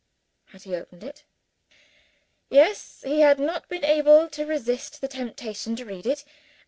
Had he opened it? Yes! He had not been able to resist the temptation to read it.